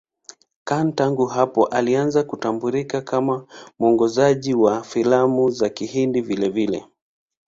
Khan tangu hapo ameanza kutambulika kama mwongozaji wa filamu za Kihindi vilevile.